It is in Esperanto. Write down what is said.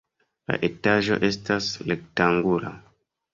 La etaĝo estas rektangula.